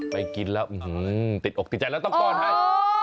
กินแล้วติดอกติดใจแล้วต้องป้อนให้